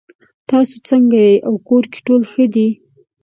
تاسو څنګه یې او کور کې ټول ښه دي